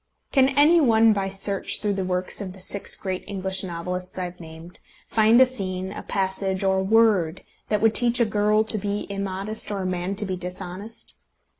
Can any one by search through the works of the six great English novelists I have named, find a scene, a passage, or a word that would teach a girl to be immodest, or a man to be dishonest?